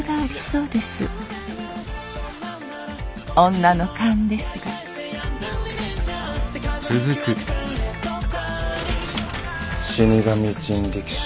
女の勘ですが死神人力車。